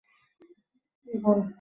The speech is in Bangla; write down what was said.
আচ্ছা - বেশ - একটু আসছি।